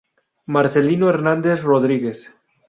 Marcelino Hernández Rodríguez.